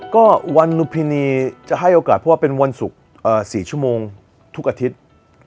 ก็วันลุพินีจะให้โอกาสเพราะว่าเป็นวันศุกร์๔ชั่วโมงทุกอาทิตย์